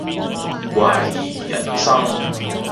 懷疑人生